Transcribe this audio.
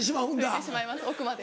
拭いてしまいます奥まで。